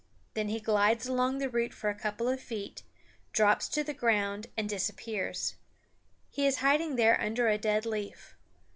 Then he glides along the root for a couple of feet, drops to the ground and disappears. He is hiding there under a dead leaf.